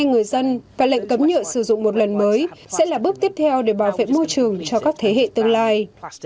người dân và lệnh cấm nhựa sử dụng một lần mới sẽ là bước tiếp theo để bảo vệ môi trường cho các thế hệ tương lai